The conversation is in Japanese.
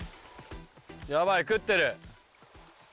やばい食ってる。